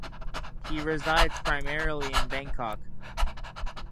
He resides primarily in Bangkok.